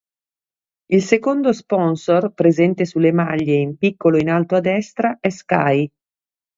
Il secondo sponsor, presente sulle maglie in piccolo in alto a destra, è Sky.